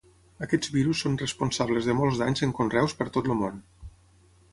Aquests virus són responsables de molts danys en conreus per tot el món.